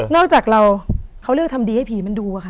จากเราเขาเลือกทำดีให้ผีมันดูอะค่ะ